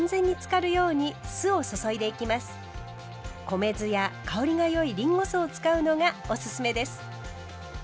米酢や香りがよいりんご酢を使うのがおすすめです。